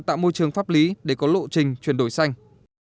tạo môi trường pháp lý để có lộ trình chuyển đổi xanh